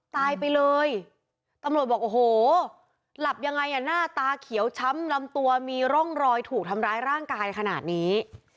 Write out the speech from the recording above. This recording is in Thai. ตายไปเลยตำรวจบอกโอ้โหหลับยังไงอ่ะหน้าตาเขียวช้ำลำตัวมีร่องรอยถูกทำร้ายร่างกายขนาดนี้